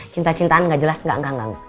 cinta cintaan gak jelas gak enggak